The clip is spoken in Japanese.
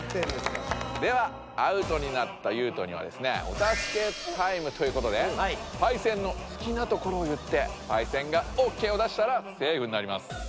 ではアウトになったユウトにはですねお助けタイムということでパイセンの好きなところを言ってパイセンがオーケーを出したらセーフになります。